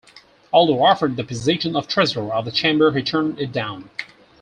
Although offered the position of Treasurer of the Chamber he turned it down.